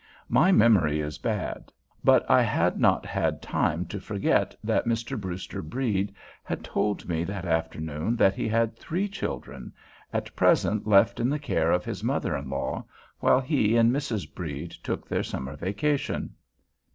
My memory is bad; but I had not had time to forget that Mr. Brewster Brede had told me that afternoon that he had three children, at present left in the care of his mother in law, while he and Mrs. Brede took their summer vacation.